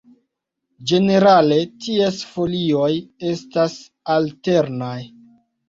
Ĝenerale ties folioj estas alternaj.